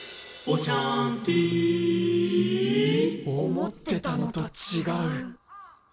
思ってたのとちがう。